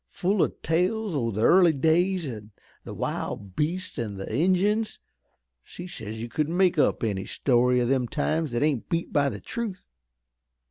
Full o' tales o' the early days an' the wild beasts an' the Injuns. She says you couldn't make up any story of them times that ain't beat by the truth.